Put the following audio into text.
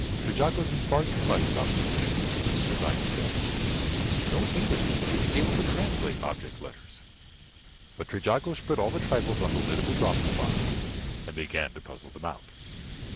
Trejago knew far too much about these things, as I have said. No Englishman should be able to translate object letters. But Trejago spread all the trifles on the lid of his office box and began to puzzle them out.